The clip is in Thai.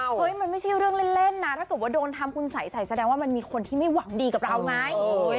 เฮ้ยมันไม่ใช่เรื่องเล่นนะถ้าเกิดว่าโดนทำคุณใสแสดงว่ามันมีคนที่ไม่หวังดีกับเราไง